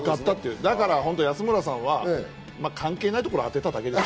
だから安村さんは関係ないところを当てただけです。